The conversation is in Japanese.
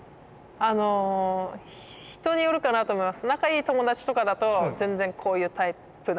あの人によるかなと思います。